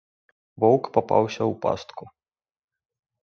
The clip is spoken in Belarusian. Воўк папаўся ў пастку.